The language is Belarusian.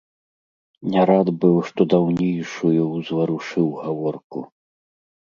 Не рад быў, што даўнейшую ўзварушыў гаворку.